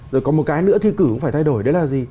rồi còn một cái nữa thi cử cũng phải thay đổi đấy là gì